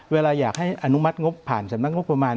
เวลาอยากให้อนุมัติงบผ่านสำนักงบประมาณ